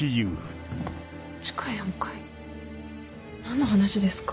地下４階？何の話ですか？